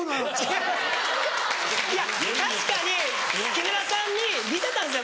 いや確かに木村さんに見せたんですよ